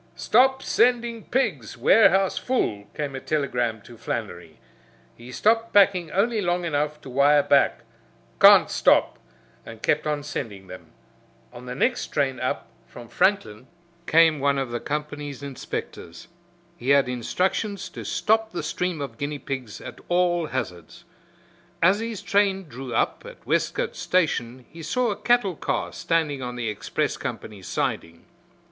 "Stop sending pigs. Warehouse full," came a telegram to Flannery. He stopped packing only long enough to wire back, "Can't stop," and kept on sending them. On the next train up from Franklin came one of the company's inspectors. He had instructions to stop the stream of guinea pigs at all hazards. As his train drew up at Westcote station he saw a cattle car standing on the express company's siding.